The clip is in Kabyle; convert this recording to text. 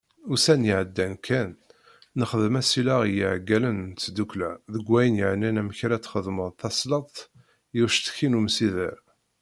Ussan iɛeddan kan, nexdem asileɣ i yiɛeggalen n tddukkla deg wayen yeɛnan amek ara txedmeḍ tasleḍt i ucekti n umsider.